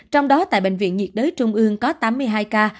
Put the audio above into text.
trong đó tại bệnh viện nhiệt đới trung ương có tám mươi hai ca